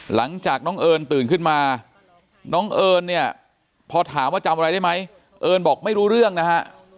หลังจากน้องเอิญตื่นขึ้นมาน้องเอิญเนี่ยพอถามว่าจำอะไรได้ไหมเอิญบอกไม่รู้เรื่องนะฮะ